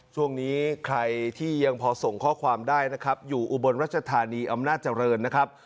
ช่วงนี้ใครที่ยังพอส่งข้อความได้นะครับอยู่อุบลรัชธานีอำนาจเจริญนะครับ